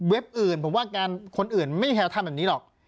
เว็บอื่นผมว่าคนอื่นไม่แค่ทำแบบนี้หรอก